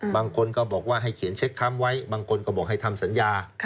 บางคนก็บอกว่าให้เขียนเช็คคำไว้บางคนก็บอกให้ทำสัญญา